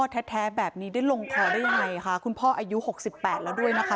แท้แบบนี้ได้ลงคอได้ยังไงค่ะคุณพ่ออายุหกสิบแปดแล้วด้วยนะคะ